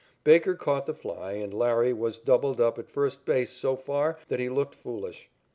Baker caught the fly, and Larry was doubled up at first base so far that he looked foolish.